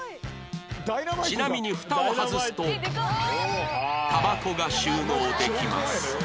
ちなみにフタを外すとタバコが収納できます